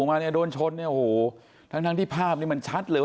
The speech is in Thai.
พุ่งมาแล้วโดนชนทั้งที่ภาพมันชัดเลย